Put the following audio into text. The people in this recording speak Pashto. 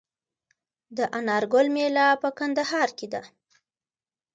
د انار ګل میله په کندهار کې ده.